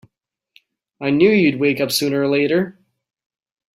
I knew you'd wake up sooner or later!